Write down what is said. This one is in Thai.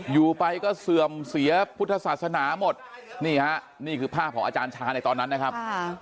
อยู่ไปก็เสื่อมเสียพุทธศาสนาหมดนี่ฮะนี่คือภาพของอาจารย์ชาในตอนนั้นนะครับ